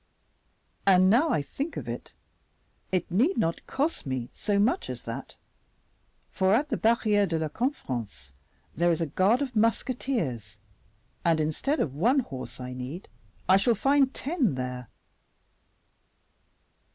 And now I think of it, it need not cost me so much as that, for at the Barriere de la Conference there is a guard of musketeers, and instead of the one horse I need, I shall find ten there."